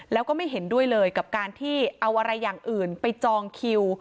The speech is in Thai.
แล้วก็ไม่เห็นด้วยเลยกับการที่เอาอะไรอย่างอื่นไปจองคิว